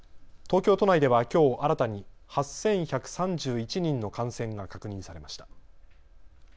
東京都内ではきょう新たに８１３１人の感染が確認されました。